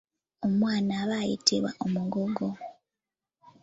Omwana aba ayitibwa omugogo.